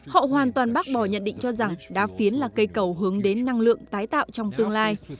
họ hoàn toàn bác bỏ nhận định cho rằng đá phiến là cây cầu hướng đến năng lượng tái tạo trong tương lai